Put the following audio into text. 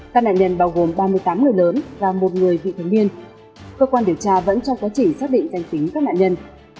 các nạn nhân bao gồm ba mươi tám người lớn và một người vị thành niên cơ quan điều tra vẫn trong quá trình xác định danh tính các nạn nhân